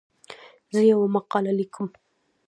زه یوه مقاله لیکم.